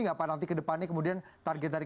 nggak pak nanti ke depannya kemudian target dari